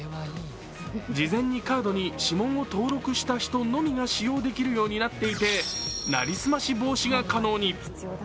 事前にカードに指紋を登録した人のみが使用できるようになっていて成り済まし防止が可能に。